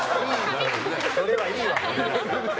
それはいいわ！